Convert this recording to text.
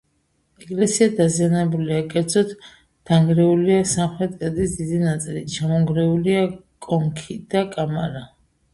ეკლესია დაზიანებულია, კერძოდ დანგრეულია სამხრეთ კედლის დიდი ნაწილი, ჩამონგრეულია კონქი და კამარა.